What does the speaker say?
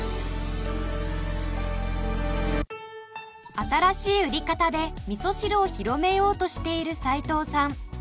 新しい売り方で味噌汁を広めようとしている斉藤さん。